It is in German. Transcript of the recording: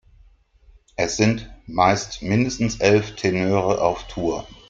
Es sind meist mindestens elf Tenöre auf Tour.